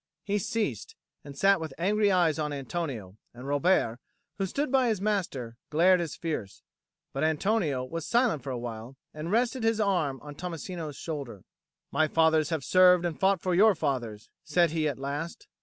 He ceased, and sat with angry eyes on Antonio; and Robert, who stood by his master, glared as fierce. But Antonio was silent for a while, and rested his arm on Tommasino's shoulder. "My fathers have served and fought for your fathers," said he at last.